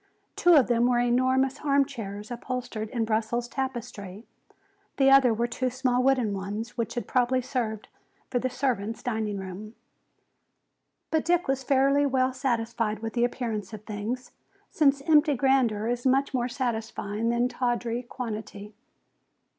Two of them were enormous armchairs upholstered in Brussels tapestry, the other were two small wooden ones which had probably served for the servant's dining room. But Dick was fairly well satisfied with the appearance of things, since empty grandeur is much more satisfying than tawdry quantity.